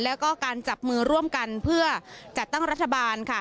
แล้วก็การจับมือร่วมกันเพื่อจัดตั้งรัฐบาลค่ะ